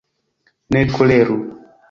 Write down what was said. ne koleru.